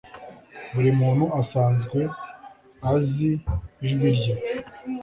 buri muntu asanzwe azi ijwi rye.